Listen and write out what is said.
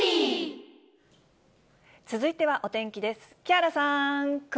続いてはお天気です。